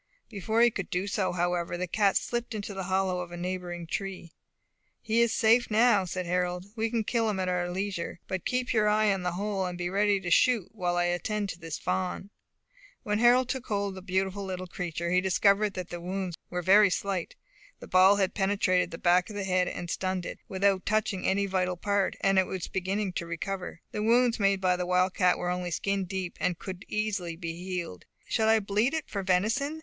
Before he could do so, however, the cat slipped into the hollow of a neighbouring tree. "He is safe now," said Harold; "we can kill him at our leisure. But keep your eye on the hole, and be ready to shoot, while I attend to this fawn." When Harold took hold of the beautiful little creature, he discovered that the wounds were very slight. The ball had penetrated the back of the head and stunned it, without touching any vital part, and it was beginning to recover; the wounds made by the wildcat were only skin deep, and could easily be healed. "Shall I bleed it for venison?"